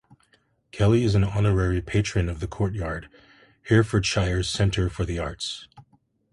Kelly is an Honorary Patron of The Courtyard, Herefordshire's Centre for the Arts.